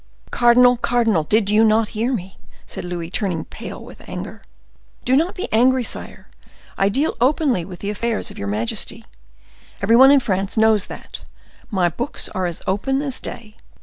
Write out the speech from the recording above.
"Cardinal, cardinal! did you not hear me?" said Louis, turning pale with anger. "Do not be angry, sire; I deal openly with the affairs of your majesty. Every one in France knows that; my books are as open as day.